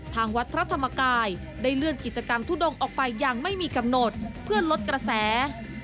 ทางวัดพระธรรมกายได้เลื่อนกิจกรรมทุดงออกไปอย่างไม่มีกำหนดเพื่อลดกระแส